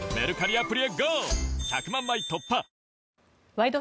「ワイド！